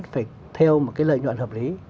phải theo một cái lợi nhuận hợp lý